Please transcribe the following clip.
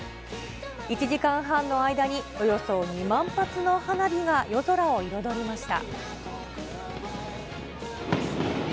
１時間半の間におよそ２万発の花火が夜空を彩りました。